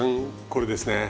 これですね。